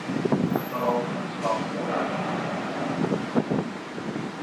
Not all trains stop at Torre.